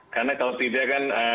karena kalau tidak kan